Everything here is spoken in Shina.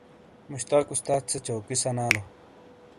مشتاق استاد سے چوکی سانالو۔